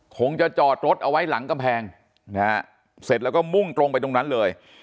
คงจะจอดรถเอาไว้หลังกำแพงนะฮะเสร็จแล้วก็มุ่งตรงไปตรงนั้นเลย